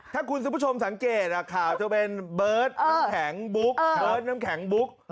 ถ้าคุณสมมุติสังเกตข่าวจะเป็นเบิร์ดน้ำแข็งบุ๊ก